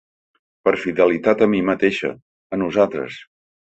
Per fidelitat a mi mateixa, a nosaltres.